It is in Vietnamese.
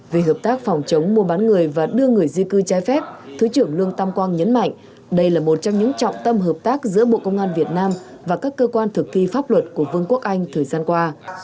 về hợp tác phòng chống mua bán người và đưa người di cư trái phép thứ trưởng lương tam quang nhấn mạnh đây là một trong những trọng tâm hợp tác giữa bộ công an việt nam và các cơ quan thực thi pháp luật của vương quốc anh thời gian qua